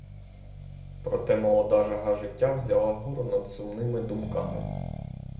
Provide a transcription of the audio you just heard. Проте молода жага життя взяла гору над сумними думками.